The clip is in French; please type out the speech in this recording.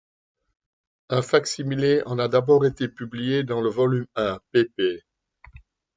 Un fac-similé en a d'abord été publié dans le Volume I, pp.